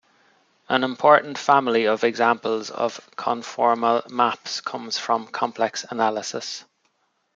An important family of examples of conformal maps comes from complex analysis.